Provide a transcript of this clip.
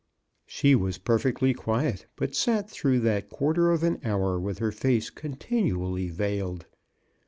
" She was per fectly quiet, but sat through that quarter of an hour with her face continually veiled.